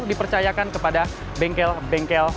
dipercayakan kepada bengkel bengkel